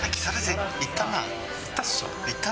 行ったっしょ。